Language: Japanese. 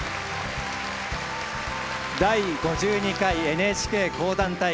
「第５２回ＮＨＫ講談大会」